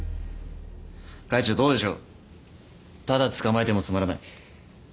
会長どうでしょうただ捕まえてもつまらない